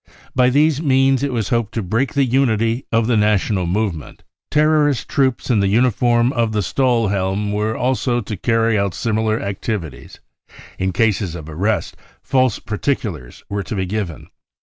By these means/ it was hoped to break the unity of the national movement. »■ 1 THE 'REAL INCENDIARIES 75 Terrorist troops in the uniform of the Stahllielm were also to carry out similar activities. In cases of arrest, false particulars were to be given.